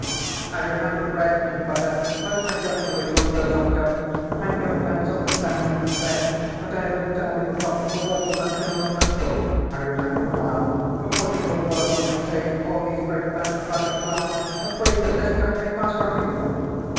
"I remember bread and butter, but I don't know which one goes on top. I know pencil and pen knife and bed, but I have entirely forgotten the word for maternal uncle. I remember plow, but what in the world will I say to all these great men about a plow? I pray that this cup may pass from me."